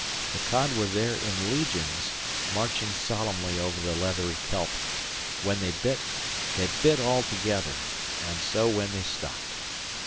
The cod were there in legions, marching solemnly over the leathery kelp. When they bit, they bit all together; and so when they stopped.